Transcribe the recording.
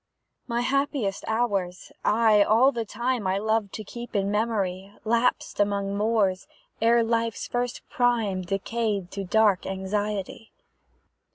My happiest hours, aye! all the time, I love to keep in memory, Lapsed among moors, ere life's first prime Decayed to dark anxiety.